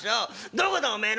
どこだおめえのうち！」。